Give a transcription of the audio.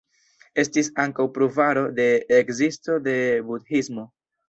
Estis ankaŭ pruvaro de ekzisto de Budhismo.